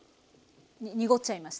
濁っちゃいました。